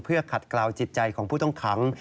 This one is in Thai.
เพื่อขัดกล่าวจิตใจของผู้ต้องขัง